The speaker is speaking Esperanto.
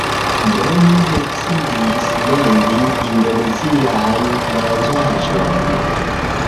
Do, ni decidis mendi indonezian manĝaĵon